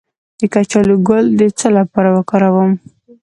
د کچالو ګل د څه لپاره وکاروم؟